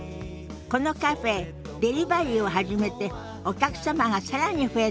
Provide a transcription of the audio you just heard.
このカフェデリバリーを始めてお客様が更に増えたのよ。